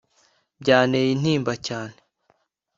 byanteye intimba cyane